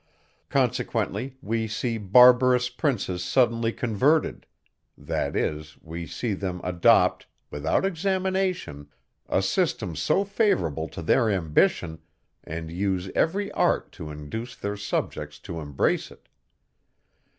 Consequently, we see barbarous princes suddenly converted; that is, we see them adopt, without examination, a system so favourable to their ambition, and use every art to induce their subjects to embrace it.